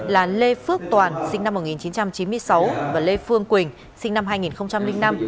là lê phước toàn sinh năm một nghìn chín trăm chín mươi sáu và lê phương quỳnh sinh năm hai nghìn năm